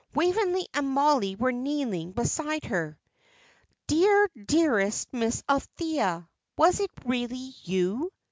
Waveney and Mollie were kneeling beside her. "Dear, dearest Miss Althea, was it really you?"